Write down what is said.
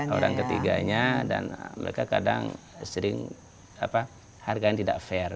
ada orang ketiganya dan mereka kadang sering harganya tidak fair